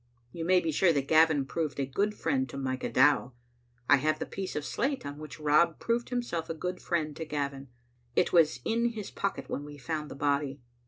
You may be sure that Gavin proved a good friend to Micah Dow. I have the piece of slate on which Rob proved himself a good friend to Gavin ; it was in his pocket when we found the body.